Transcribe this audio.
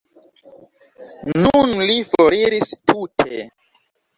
Nun li foriris tute.